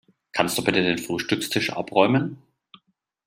Kannst du bitte den Frühstückstisch abräumen?